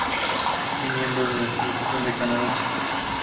Es miembro de la selección de Canadá.